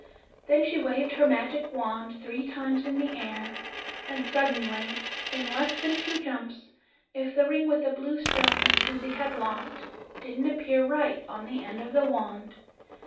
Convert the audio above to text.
Then she waved her magic wand three times in the air, and suddenly, in less than two jumps, if the ring with the blue stone, that Susie had lost, didn't appear right on the end of the wand.